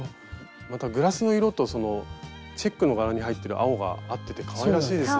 またグラスの色とチェックの柄に入ってる青が合っててかわいらしいですね。